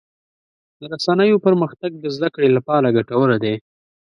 د رسنیو پرمختګ د زدهکړې لپاره ګټور دی.